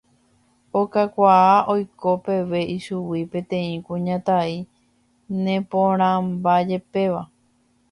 okakuaa oiko peve ichugui peteĩ kuñataĩ neporãmbajepéva